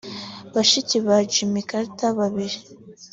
Bashiki ba Jimmy Carter babiri